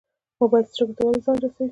موبایل سترګو ته ولې زیان رسوي؟